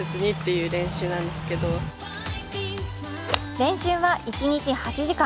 練習は一日８時間。